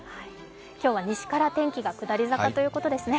今日は西から天気が下り坂ということですね。